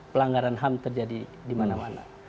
pelanggaran ham terjadi di mana mana